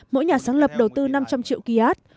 mỗi nhà sáng lập đầu tư năm trăm linh triệu kiat